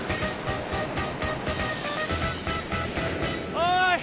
おい！